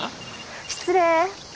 失礼。